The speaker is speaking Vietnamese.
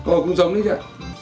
ồ cũng giống đấy chứ